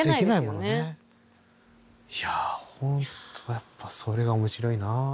いや本当やっぱそれが面白いな。